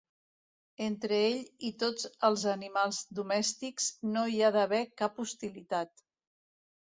Entre ell i tots els animals domèstics no hi ha d'haver cap hostilitat.